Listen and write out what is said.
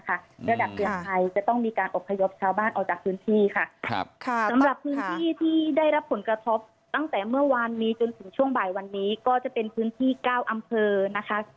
ระดับเตือนภัยจะต้องมีการอบพยพชาวบ้านออกจากพื้นที่ค่ะสำหรับพื้นที่ที่ได้รับผลกระทบตั้งแต่เมื่อวานนี้จนถึงช่วงบ่ายวันนี้ก็จะเป็นพื้นที่๙อำเภอนะคะ